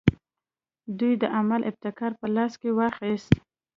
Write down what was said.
دوی د عمل ابتکار په لاس کې واخیست.